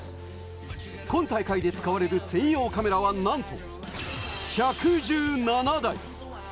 今大会で使われる専用カメラは、なんと１１７台！